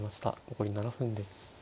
残り７分です。